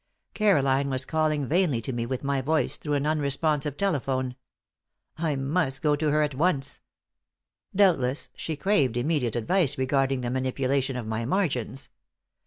Caroline was calling vainly to me with my voice through an unresponsive telephone. I must go to her at once. Doubtless, she craved immediate advice regarding the manipulation of my margins.